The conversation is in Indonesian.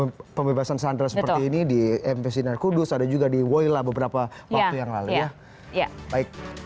ada pembebasan sandera seperti ini di mps indah kudus ada juga di woyla beberapa waktu yang lalu ya